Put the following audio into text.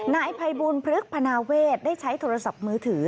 นายภัยบูลพฤกษพนาเวทได้ใช้โทรศัพท์มือถือ